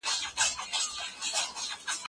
د تودوخې درجې د خلکو په تماس اغېزه لري.